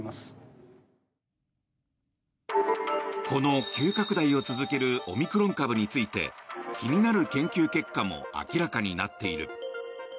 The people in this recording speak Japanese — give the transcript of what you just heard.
この急拡大を続けるオミクロン株について気になる研究結果も明らかになっている。